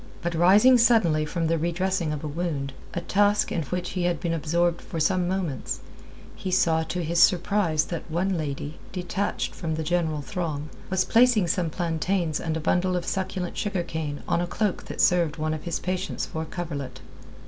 But rising suddenly from the re dressing of a wound, a task in which he had been absorbed for some moments, he saw to his surprise that one lady, detached from the general throng, was placing some plantains and a bundle of succulent sugar cane on the cloak that served one of his patients for a coverlet.